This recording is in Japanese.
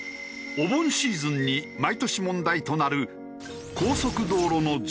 お盆シーズンに毎年問題となる。